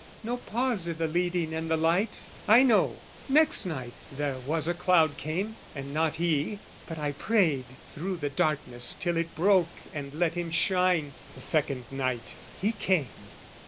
No pause i' the leading and the light! I know, Next night there was a cloud came, and not he: But I prayed through the darkness till it broke And let him shine. The second night, he came.